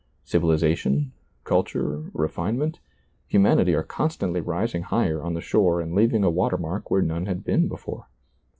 Civilization, culture, refinement, humanity are constantly rising higher on the shore and leaving a watermark where none had been before.